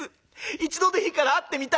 一度でいいから会ってみたい」。